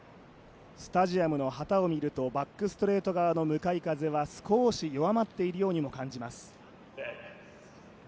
スタジアムの旗を見ると、バックストレート側の向かい風は少し弱まっているようにも感じます。